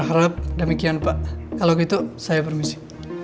harap demikian pak kalau gitu saya permisi